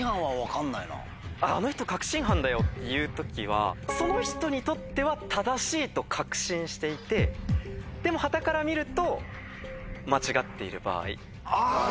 「あの人確信犯だよ」っていう時はその人にとっては正しいと確信していてでもはたから見ると間違っている場合。